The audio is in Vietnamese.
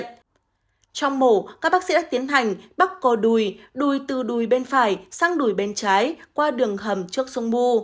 trong mổ các bác sĩ đã tiến hành bắt cầu đùi đùi từ đùi bên phải sang đùi bên trái qua đường hầm trước sông mù